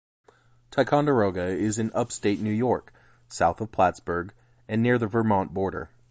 Ticonderoga is in Upstate New York, south of Plattsburgh, and near the Vermont border.